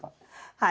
はい。